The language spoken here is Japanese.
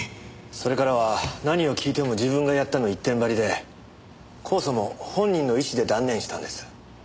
それからは何を聞いても自分がやったの一点張りで控訴も本人の意思で断念したんです。